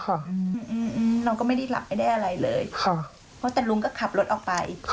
อืมเราก็ไม่ได้หลับไม่ได้อะไรเลยค่ะเพราะแต่ลุงก็ขับรถออกไป